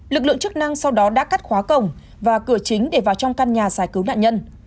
lực lượng chức năng sau đó đã cắt khóa cổng và cửa chính để vào trong căn nhà giải cứu nạn nhân